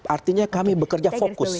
artinya kami bekerja fokus